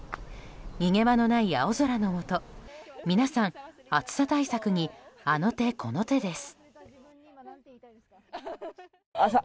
逃げ場のない青空のもと皆さん暑さ対策にあの手この手です。